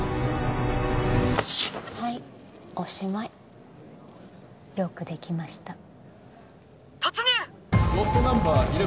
はいおしまいよくできました突入！